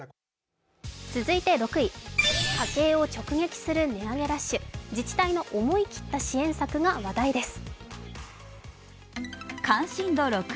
続いて６位家庭を直撃する値上げラッシュ、自治体の思い切った支援策が話題です。